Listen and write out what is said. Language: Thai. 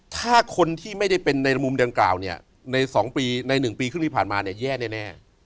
ถ้าคนที่ไม่ได้เป็นในมุมดังกล่าวเนี่ยใน๒ปีใน๑ปีครึ่งที่ผ่านมาเนี่ยแย่แน่